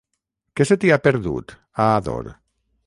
Què se t'hi ha perdut, a Ador?